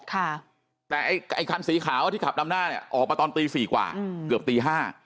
แต่ไอ้คันสีขาวที่ขับดำหน้าออกมาตอนตี๔กว่าเกือบตี๕